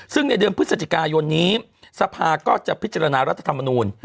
ซึ่งในเดือนพฤศจิกายนนี้สภาก็จะพิจารณารัฐธรรมนูล